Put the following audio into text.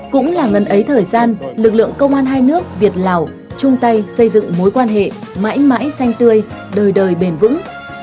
cũng là ngần ấy thời gian lực lượng công an hai nước việt lào chung tay xây dựng mối quan hệ mãi mãi xanh tươi đời đời bền vững